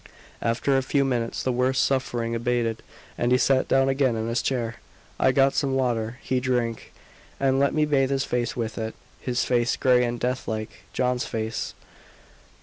After a few minutes the worst suffering abated, and he sat down again in his chair. I got some water; he drank, and let me bathe his face with it his face, grey and death like John's face!